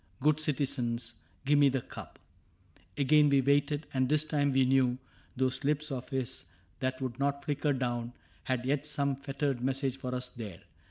.. good citizens ... give me the cup "... CAPTAIN CRAIG 8i Again we waited ; and this time we knew Those lips of his that would not flicker down Had yet some fettered message for us there.